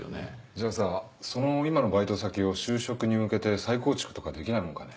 じゃあさその今のバイト先を就職に向けて再構築とかできないもんかね。